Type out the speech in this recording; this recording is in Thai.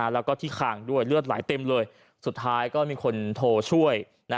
แล้วก็ที่คางด้วยเลือดไหลเต็มเลยสุดท้ายก็มีคนโทรช่วย